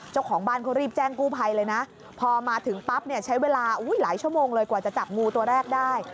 เจ้าของบ้านเขารีบแจ้งกู้ภัยเลยนะพอมาถึงปั๊บเนี่ยใช้เวลาหลายชั่วโมงเลยกว่าจะจับงูตัวแรกได้